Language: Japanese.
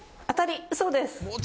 当たり、そうです。